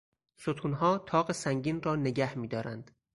ستونها طاق سنگین را نگهمیدارند.